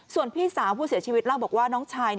ส่วนพี่สาวผู้เสียชีวิตเล่าบอกว่าน้องชาย